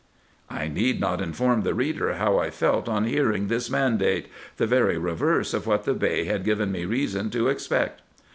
I need not inform the reader how I felt on hearing tins mandate, the very reverse of what the Bey had given me reason to expect.